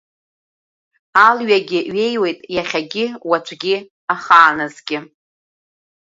Алҩагьы ҩеиуеит иахьагьы, уаҵәгьы, ахааназгьы…